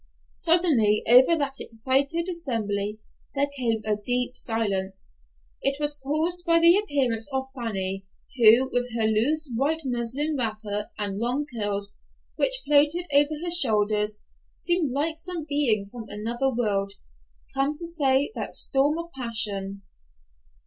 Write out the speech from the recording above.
Suddenly over that excited assembly there came a deep silence. It was caused by the appearance of Fanny, who, with her loose white muslin wrapper, and long curls, which floated over her shoulders, seemed like some being from another world, come to stay that storm of passion.